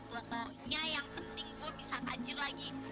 pokoknya yang penting gue bisa haji lagi